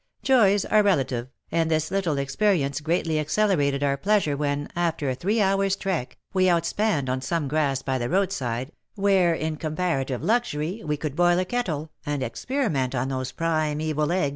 Joys are relative, and this little experience greatly accelerated our pleasure when, after a three hours' trek, we outspanned on some grass by the roadside, where in comparative luxury we could boil a kettle and experiment on those prime evil eggs.